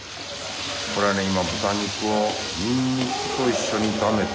これは今豚肉をにんにくと一緒に炒めてるのかな？